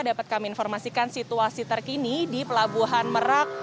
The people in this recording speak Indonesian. dapat kami informasikan situasi terkini di pelabuhan merak